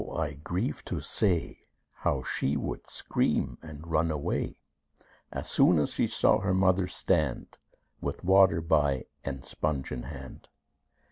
I grieve to say How she would scream and run away, Soon as she saw her mother stand, With water by, and sponge in hand.